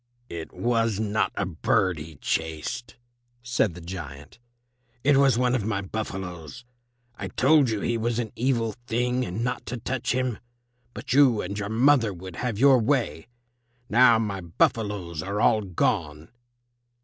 "It was not a bird he chased," said the giant; "it was one of my buffaloes. I told you he was an evil thing and not to touch him, but you and your mother would have your way. Now my buffaloes are all gone."